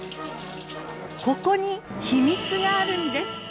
ここに秘密があるんです。